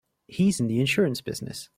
He's in the insurance business.